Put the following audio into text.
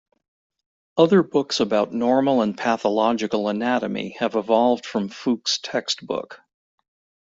Other books about normal and pathological anatomy have evolved from Fuchs' textbook.